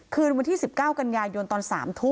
คืนวันที่๑๙กันยายนตอน๓ทุ่ม